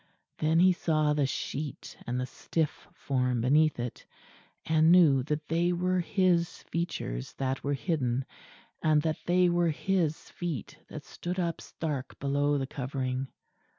Then he saw the sheet and the stiff form beneath it; and knew that they were his features that were hidden; and that they were his feet that stood up stark below the covering.